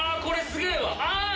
これすげえわああ